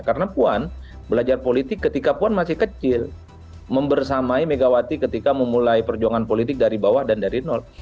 karena puan belajar politik ketika puan masih kecil membersamai megawati ketika memulai perjuangan politik dari bawah dan dari nol